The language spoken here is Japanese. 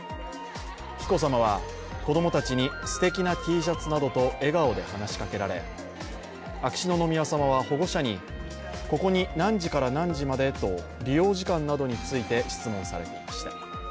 紀子さまは子供たちに、すてきなＴシャツなどと笑顔で話しかけられ、秋篠宮さまは保護者にここに何時から何時までと利用時間などについて質問されていました。